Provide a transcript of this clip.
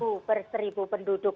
bandar satu per seribu penduduk